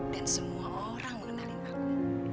dan semua orang mengenalin aku